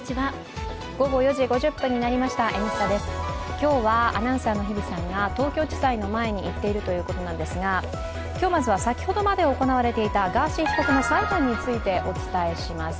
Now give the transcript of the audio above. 今日はアナウンサーの日比さんが東京地裁の前に行っているということなんですが、今日まずは先ほどまで行われていたガーシー被告の裁判についてお伝えします。